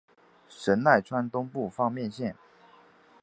神奈川东部方面线。